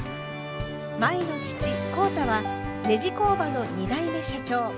舞の父浩太はネジ工場の２代目社長。